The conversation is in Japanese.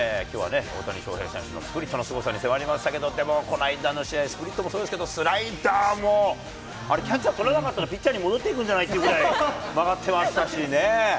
きょうはね、大谷翔平選手のスプリットのすごさに迫りましたけれども、でも、この間の試合、スプリットもそうですけど、スライダーも、あれ、キャッチャーとれなかったら、ピッチャーに戻っていくんじゃない？ってぐらい曲がってましたしね。